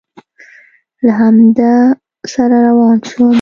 له همده سره روان شوم.